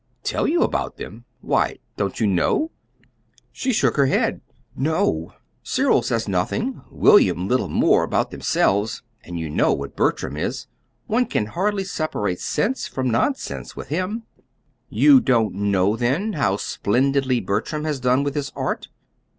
"Tell you about them! Why, don't you know?" She shook her head. "No. Cyril says nothing. William little more about themselves; and you know what Bertram is. One can hardly separate sense from nonsense with him." "You don't know, then, how splendidly Bertram has done with his art?"